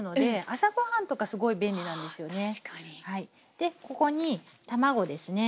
でここに卵ですね。